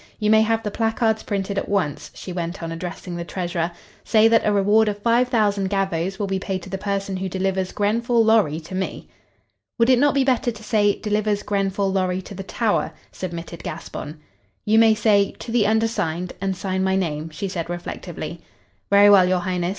"You may have the placards printed at once," she went on, addressing the treasurer. "Say that a reward of five thousand gavvos will be paid to the person who delivers Grenfall Lorry to me." "Would it not be better to say 'delivers Grenfall Lorry to the tower'?" submitted Gaspon. "You may say 'to the undersigned,' and sign my name," she said, reflectively. "Very well, your highness.